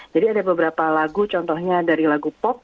jadi ada beberapa lagu contohnya dari lagu pop